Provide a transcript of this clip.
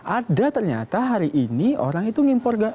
ada ternyata hari ini orang itu ngimpor gas